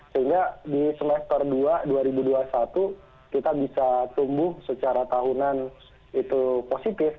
sehingga di semester dua dua ribu dua puluh satu kita bisa tumbuh secara tahunan itu positif